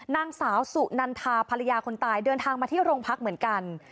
นางสาวสุนันทาภรรยาคนตายเดินทางมาที่โรงพักเหมือนกัน